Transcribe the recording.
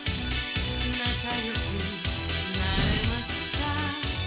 「なかよくなれますか」